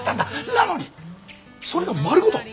なのにそれが丸ごと。